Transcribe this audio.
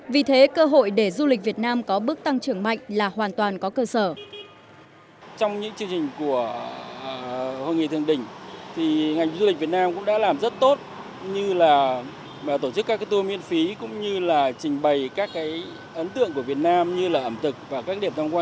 vì thế cơ hội để du lịch việt nam có bước tăng trưởng mạnh là hoàn toàn có cơ sở